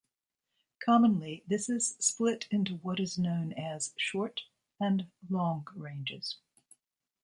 Commonly, this is split into what is known as 'short' and 'long' ranges.